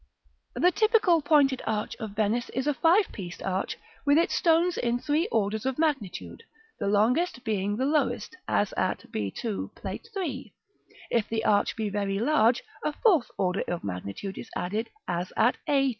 § XV. The typical pure pointed arch of Venice is a five pieced arch, with its stones in three orders of magnitude, the longest being the lowest, as at b2, Plate III. If the arch be very large, a fourth order of magnitude is added, as at a2.